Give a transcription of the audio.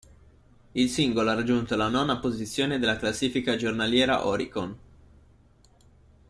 Il singolo ha raggiunto la nona posizione della classifica giornaliera Oricon.